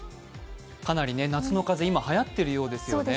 かなり夏の風邪、今はやっているようですね。